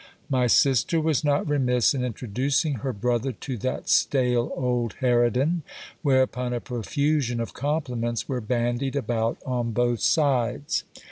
My sister was not remiss in introducing her brother to that stale old harridan, whereupon a profusion of compliments were bandied about on both sides.